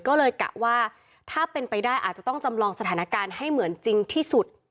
ก็เลยกะว่าถ้าเป็นไปได้อาจจะต้องจำลองสถานการณ์ให้เหมือนจริงที่สุด